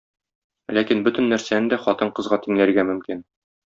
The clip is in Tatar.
Ләкин бәтен нәрсәне дә хатын-кызга тиңләргә мөмкин.